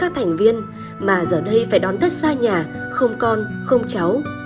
các thành viên mà giờ đây phải đón tết xa nhà không con không cháu